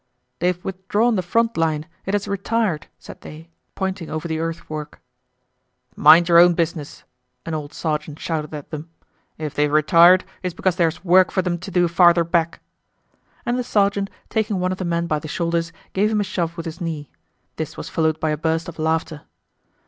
"They've withdrawn the front line, it has retired," said they, pointing over the earthwork. "Mind your own business," an old sergeant shouted at them. "If they've retired it's because there's work for them to do farther back." And the sergeant, taking one of the men by the shoulders, gave him a shove with his knee. This was followed by a burst of laughter.